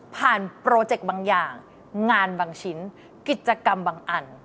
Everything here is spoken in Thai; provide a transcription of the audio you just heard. โปรเจคบางอย่างงานบางชิ้นกิจกรรมบางอัน